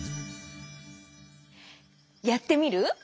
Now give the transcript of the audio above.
やってみる？